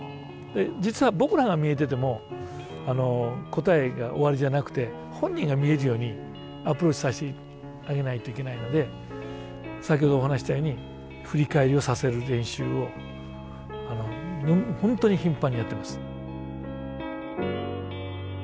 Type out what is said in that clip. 実は僕らが見えてても答えが終わりじゃなくて本人が見えるようにアプローチさせてあげないといけないので先ほどお話ししたように振り返りをさせる練習を本当に頻繁にやってます。